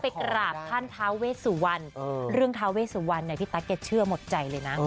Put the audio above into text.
ไปกลับท่านทาเวศวรเรื่องทาเวศวรพี่ตั๊คจะเชื่อหมดใจเลยนะ